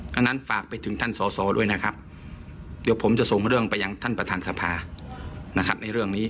ฉะนั้นฝากไปถึงท่านสอสอด้วยนะครับเดี๋ยวผมจะส่งเรื่องไปยังท่านประธานสภานะครับในเรื่องนี้